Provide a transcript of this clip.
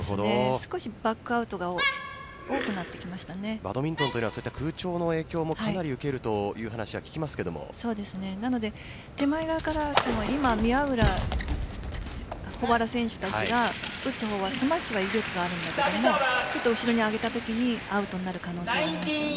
少しバックアウトがバドミントンはそういう空調の影響もかなり受けるという話も手前側から宮浦、保原選手たちが打つ方はスマッシュがあるんだけど後ろに上げたときにアウトになる可能性がありますね。